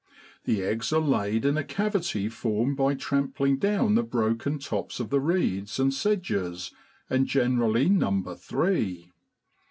The eggs are laid in a cavity formed by trampling down the broken tops of the reeds and sedges, and generally number three.